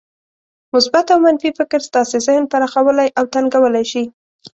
مثبت او منفي فکر ستاسې ذهن پراخولای او تنګولای شي.